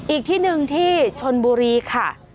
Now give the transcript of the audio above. อีกที่หนึ่งที่ชนบุรีค่ะ